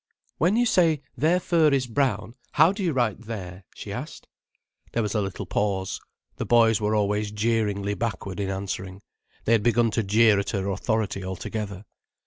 "When you say 'their fur is brown', how do you write 'their'?" she asked. There was a little pause; the boys were always jeeringly backward in answering. They had begun to jeer at her authority altogether.